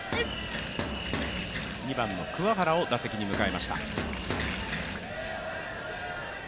２番の桑原を打席に迎えました。